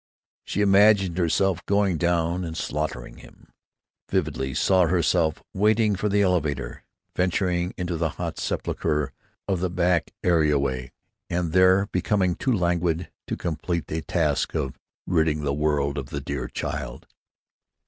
She imagined herself going down and slaughtering him; vividly saw herself waiting for the elevator, venturing into the hot sepulcher of the back areaway, and there becoming too languid to complete the task of ridding the world of the dear child.